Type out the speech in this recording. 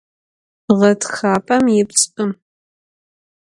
Ğetxapem yipş'ım.